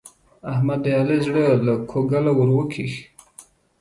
احمد د علي زړه له کوګله ور وکېښ.